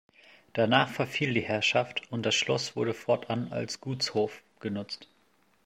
Danach verfiel die Herrschaft und das Schloss wurde fortan als Gutshof genutzt.